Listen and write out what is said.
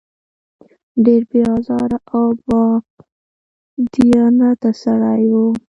ډېر بې آزاره او بادیانته سړی و.